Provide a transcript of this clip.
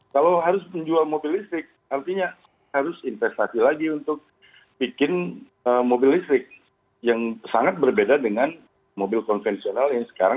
kalau harus menjual mobil listrik artinya harus investasi lagi untuk bikin mobil listrik yang sangat berbeda dengan mobil konvensional yang sekarang